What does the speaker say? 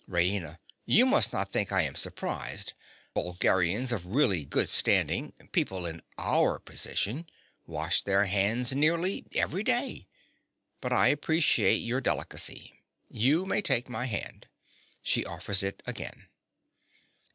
RAINA. You must not think I am surprised. Bulgarians of really good standing—people in OUR position—wash their hands nearly every day. But I appreciate your delicacy. You may take my hand. (_She offers it again.